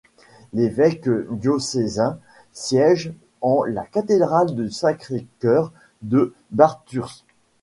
L'évêque diocésain siège en la cathédrale du Sacré-Cœur de Bathurst.